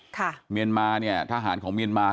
เมียนมาเนี่ยทหารของเมียนมา